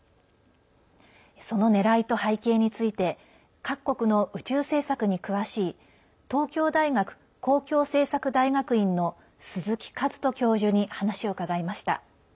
そのねらいと背景について各国の宇宙政策に詳しい東京大学公共政策大学院の鈴木一人教授に話を伺いました。